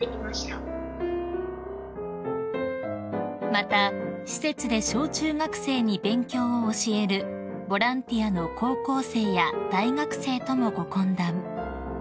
［また施設で小中学生に勉強を教えるボランティアの高校生や大学生ともご懇談］